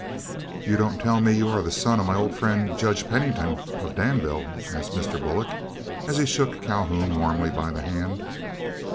"You don't tell me you are the son of my old friend, Judge Pennington, of Danville," asked Mr. Bullock, as he shook Calhoun warmly by the hand.